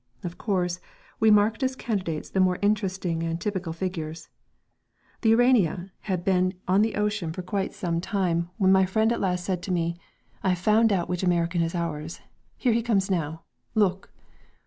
Of course, we marked as candidates the more interesting and typical figures. The Urania had been on the ocean for quite some time when my friend at last said to me: "I have found out which American is ours. Here he comes now. Look!"